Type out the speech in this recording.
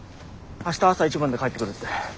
明日朝一番で帰ってくるって。